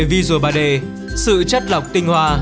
visual ba d sự chất lọc tinh hoa